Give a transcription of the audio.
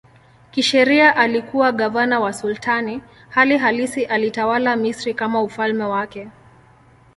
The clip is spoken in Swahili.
Kisheria alikuwa gavana wa sultani, hali halisi alitawala Misri kama ufalme wake.